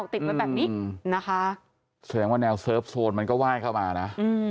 ติดไว้แบบนี้นะคะแสดงว่าแนวเซิร์ฟโซนมันก็ไหว้เข้ามานะ